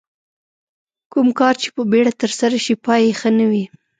کوم کار چې په بیړه ترسره شي پای یې ښه نه وي.